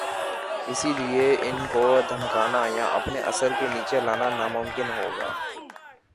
اسی لئے ان کو دھمکانا یا اپنے اثر کے نیچے لانا ناممکن ہو گیا۔